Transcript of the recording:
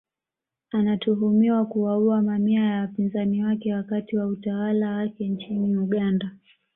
Anatuhumiwa kuwaua mamia ya wapinzani wake wakati wa utawala wake nchini Uganda